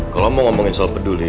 kalau mau ngomongin soal peduli